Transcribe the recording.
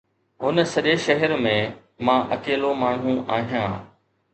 هن سڄي شهر ۾، مان اڪيلو ماڻهو آهيان.